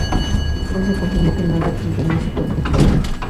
Poco más tarde se confirmó que el manga tendría una secuela.